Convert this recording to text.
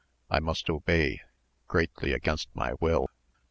I must obey greatly against my will.